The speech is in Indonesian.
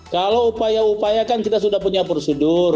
kalau upaya upaya kan kita sudah punya prosedur